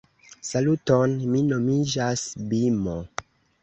Saluton, mi nomiĝas Bimo